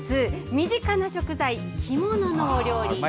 身近な食材、干物のお料理。